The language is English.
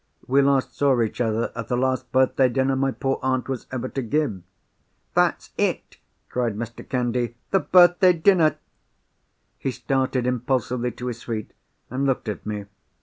"We last saw each other at the last birthday dinner my poor aunt was ever to give." "That's it!" cried Mr. Candy. "The birthday dinner!" He started impulsively to his feet, and looked at me.